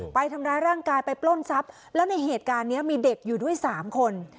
ไปทำร้ายร่างกายไปปล้นทรัพย์แล้วในเหตุการณ์นี้มีเด็กอยู่ด้วยสามคน